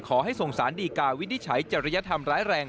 ขอให้ส่งสารดีกาวินิจฉัยจริยธรรมร้ายแรง